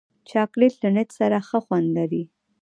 چاکلېټ له نټ سره ښه خوند لري.